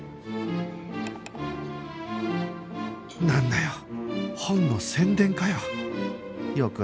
なんだよ本の宣伝かよ